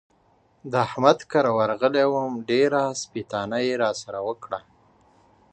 د احمد کره ورغلی وم؛ ډېره سپېتانه يې را سره وکړه.